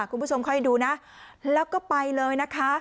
คุณผู้ชมค่อยดูนะแล้วก็ไปเลยนะคะ